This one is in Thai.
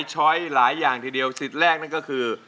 ช้อยหลายอย่างทีเดียวสิทธิ์แรกนั่นก็คือ